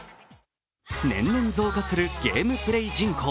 年々増加するゲームプレイ人口。